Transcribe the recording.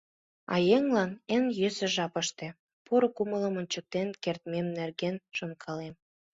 А еҥлан эн йӧсӧ жапыштыже поро кумылым ончыктен кертмем нерген шонкалем.